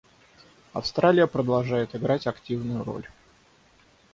Австралия продолжает играть активную роль.